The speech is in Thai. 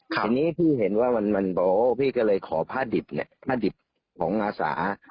ทีนี้พี่เห็นว่ามันโบ้พี่ก็เลยขอผ้าดิบของอาสา